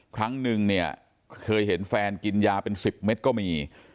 ครั้งนึงเนี่ยเคยเห็นแฟนกินยาเป็น๑๐เม็ดก็มี